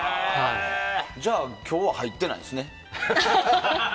じゃあ、今日は入ってないですね。